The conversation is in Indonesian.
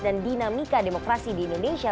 dan dinamika demokrasi di indonesia